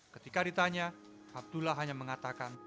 ketika ditanya abdullah hanya mengatakan